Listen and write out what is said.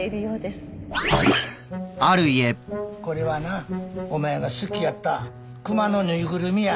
これはなお前が好きやった熊の縫いぐるみや。